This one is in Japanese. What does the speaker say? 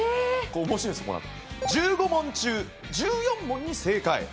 このあと１５問中１４問に正解。